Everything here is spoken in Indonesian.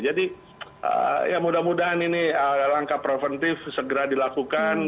jadi mudah mudahan ini langkah preventif segera dilakukan